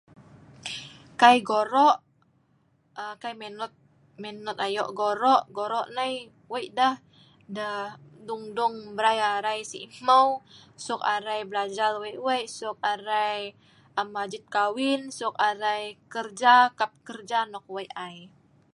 Kai goro', aa kai minot-minot ayo' goro', goro' nai wei' deh. Deh dung-dung mrai arai si hmeu, suk arai belajal wei'-wei suk arai am ajit kawin, suk arai keja, kap keja nok wei' ai.